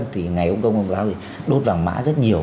thì ngày ông công ông giáo thì đốt vàng mã rất nhiều